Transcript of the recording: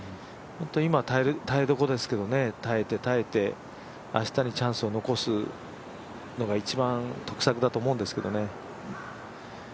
本当、今、耐えどころですけど耐えて、耐えて明日にチャンスを残すのが一番得策だと思うんですけどね。